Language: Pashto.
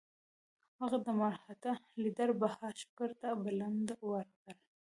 هغه د مرهټه لیډر بهاشکر ته بلنه ورکړه.